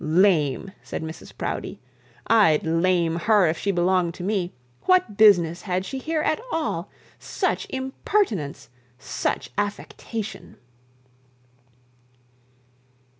'Lame,' said Mrs Proudie; 'I'd lame her if she belonged to me. What business had she here at all? such impertinence such affectation.'